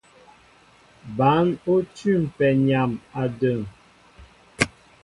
Bǎn ó tʉ̂mpɛ nyam a dəŋ.